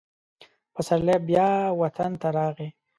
پسرلی بیا وطن ته راغی.